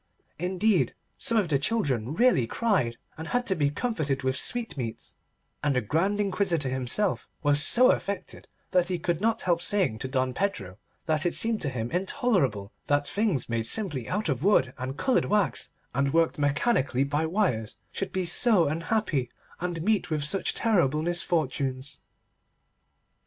Indeed some of the children really cried, and had to be comforted with sweetmeats, and the Grand Inquisitor himself was so affected that he could not help saying to Don Pedro that it seemed to him intolerable that things made simply out of wood and coloured wax, and worked mechanically by wires, should be so unhappy and meet with such terrible misfortunes.